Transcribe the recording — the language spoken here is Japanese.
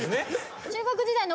中学時代の。